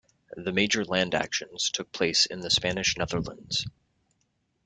The major land actions took place in the Spanish Netherlands.